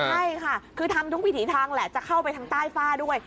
ใช่ค่ะคือทำทุกวิถีทางแหละจะเข้าไปทางใต้ฝ้าด้วย